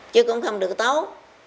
chứ cũng không được tốt